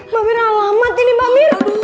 mbak mir alamat ini mbak mir